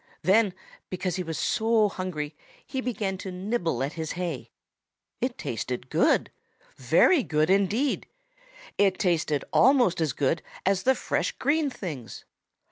Then because he was so hungry he began to nibble at his hay. It tasted good, very good indeed. It tasted almost as good as the fresh green things.